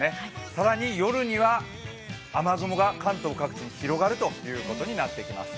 更に夜には雨雲が関東各地に広がるということになります。